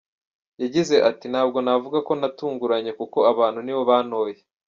Yagize ati ‘‘Ntabwo navuga ko natunguranye kuko abantu nibo bantoye.